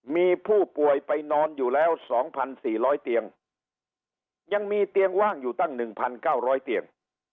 มีผู้ป่วยไปนอนอยู่แล้ว๒๔๐๐เตียงยังมีเตียงว่างอยู่ตั้ง๑๙๐๐เตียง